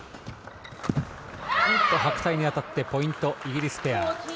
白帯に当たってポイント、イギリスペア。